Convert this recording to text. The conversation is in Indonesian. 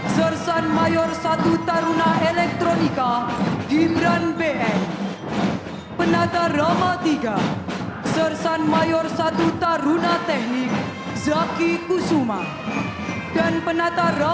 sersan mayor dua taruna academy angkatan laut dengan komandan batalion